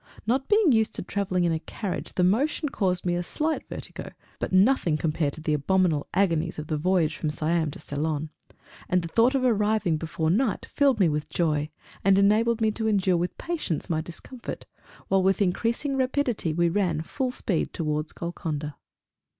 Not being used to travelling in a carriage the motion caused me a slight vertigo but nothing to compare with the abominable agonies of the voyage from Siam to Ceylon; and the thought of arriving before night filled me with joy, and enabled me to endure with patience my discomfort, while with increasing rapidity we ran, full speed towards Golconda....